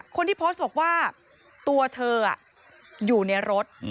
คนที่โพสต์บอกว่าตัวเธออยู่ในรถ